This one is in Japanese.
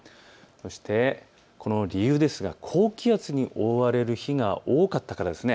そしてこの理由ですが高気圧に覆われる日が多かったからです。